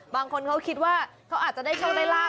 บางคนเขาคิดว่าเขาอาจจะได้โชคได้ลาบ